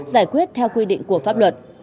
giải quyết theo quy định của pháp luật